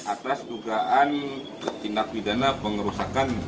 atas dugaan tindak pidana pengerusakan